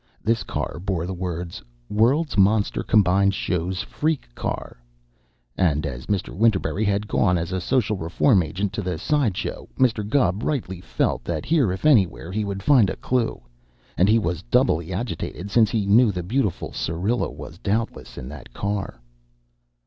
This car bore the words, "World's Monster Combined Shows Freak Car." And as Mr. Winterberry had gone as a social reform agent to the side show, Mr. Gubb rightly felt that here if anywhere he would find a clue, and he was doubly agitated since he knew the beautiful Syrilla was doubtless in that car.